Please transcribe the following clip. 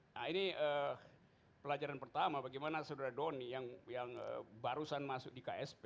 nah ini pelajaran pertama bagaimana saudara doni yang barusan masuk di ksp